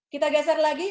kita geser lagi